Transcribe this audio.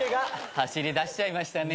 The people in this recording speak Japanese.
走りだしちゃいましたね。